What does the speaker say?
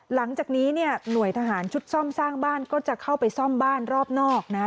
หลังจากนี้เนี่ยหน่วยทหารชุดซ่อมสร้างบ้านก็จะเข้าไปซ่อมบ้านรอบนอกนะฮะ